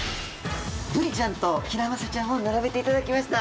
ブリちゃんとヒラマサちゃんを並べていただきました。